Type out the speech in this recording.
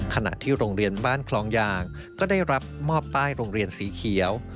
ขณะที่โรงเรียนบ้านคลองยางก็ได้รับมอบป้ายโรงเรียนสีเขียว